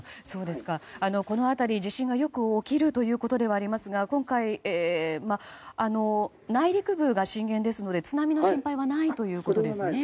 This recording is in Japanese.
この辺り地震がよく起きるということではありますが今回、内陸部が震源ですので津波の心配はないということですね。